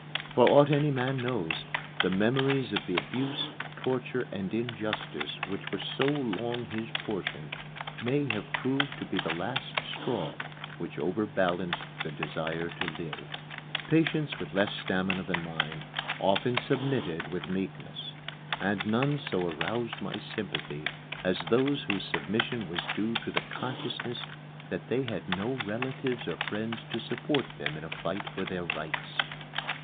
For aught any man knows, the memories of the abuse, torture, and injustice which were so long his portion may have proved to be the last straw which overbalanced the desire to live. Patients with less stamina than mine often submitted with meekness; and none so aroused my sympathy as those whose submission was due to the consciousness that they had no relatives or friends to support them in a fight for their rights.